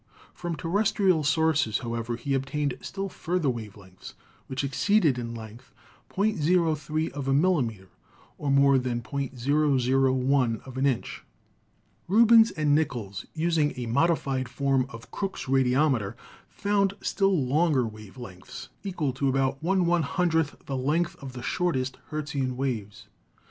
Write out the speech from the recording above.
From terrestrial sources, however, he obtained still fur ther wave lengths which exceeded in length .03 of a mil limeter (or more than .001 of an inch). Rubens and Nichols, using a modified form of Crookes' radiometer, found still longer wave lengths, equal to about 1 100 the length of the shortest Hertzian waves.